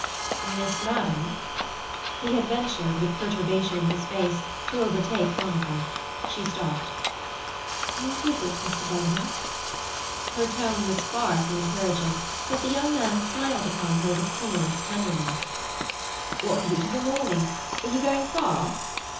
"Miss Madden—" He had ventured, with perturbation in his face, to overtake Monica. She stopped. "What is it, Mr. Bullivant?" Her tone was far from encouraging, but the young man smiled upon her with timorous tenderness. "What a beautiful morning! Are you going far?"